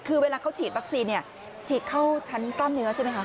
คือเวลาเขาฉีดวัคซีนฉีดเข้าชั้นกล้ามเนื้อใช่ไหมคะ